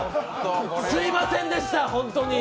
すいませんでした、本当に！